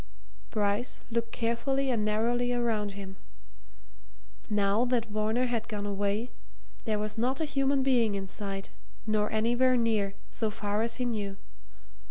Bryce looked carefully and narrowly around him. Now that Varner had gone away, there was not a human being in sight, nor anywhere near, so far as he knew.